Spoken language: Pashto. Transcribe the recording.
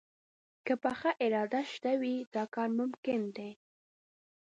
که پخه اراده شته وي، دا کار ممکن دی